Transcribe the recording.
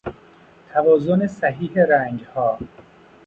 توازن صحیح رنگها